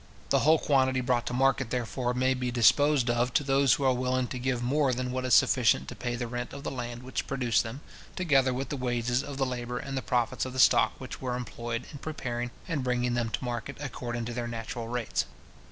The whole quantity brought to market, therefore, may be disposed of to those who are willing to give more than what is sufficient to pay the rent of the land which produced them, together with the wages of the labour and the profits of the stock which were employed in preparing and bringing them to market, according to their natural rates.